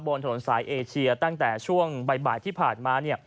บนถนนสายเอเชียตั้งแต่ช่วงบ่ายที่ผ่านมา